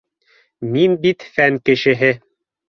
— Мин бит фән кешеһе